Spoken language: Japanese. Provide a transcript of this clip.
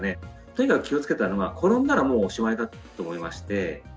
とにかく気をつけて、転んだらもうおしまいだと思いまして。